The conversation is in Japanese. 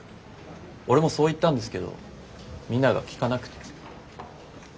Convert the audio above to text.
俺もそう言ったんですけどみんなが聞かなくて。